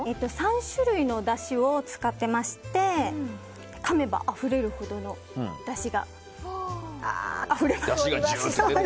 ３種類のだしを使っていましてかめば、あふれるほどのだしが。